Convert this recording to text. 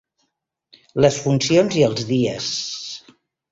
Les funcions i els dies